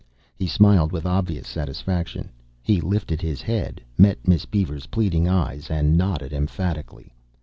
He smiled with obvious satisfaction. He lifted his head, met Miss Beaver's pleading eyes, and nodded emphatically.